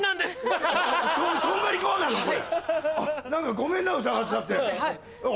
ごめんな疑っちゃって。